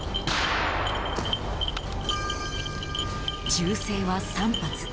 銃声は３発。